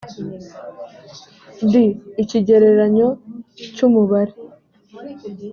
d ikigereranyo cy umubare